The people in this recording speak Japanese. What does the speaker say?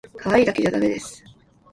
かわいいだけじゃだめです